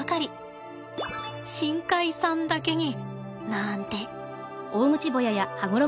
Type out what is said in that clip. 深海さんだけになんて。